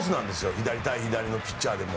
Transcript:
左対左のピッチャーでも。